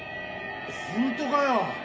ホントかよ。